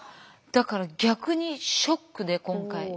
だから逆にショックで今回。